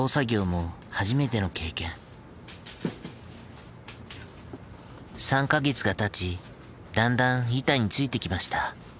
３か月がたちだんだん板についてきました。